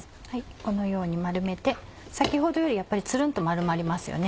このように丸めて先ほどよりツルンと丸まりますよね。